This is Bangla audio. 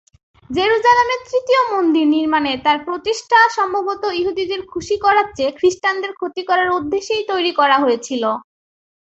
জেরুজালেমে তৃতীয় মন্দির নির্মাণে তার প্রচেষ্টা সম্ভবত ইহুদিদের খুশি করার চেয়ে খ্রিষ্টানদের ক্ষতি করার উদ্দেশ্যেই করা হয়েছিল।